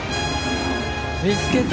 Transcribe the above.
見つけた！